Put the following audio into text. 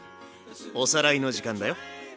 おさらいの時間だよ。